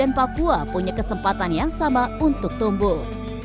ini adalah bagian yang sangat penting